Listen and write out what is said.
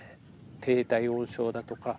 低体温症だとか。